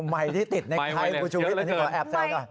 ดูไมค์ที่ติดในไทม์คุณชูวิทย์ขอแอบเซลล์ก่อนไมค์ไมค์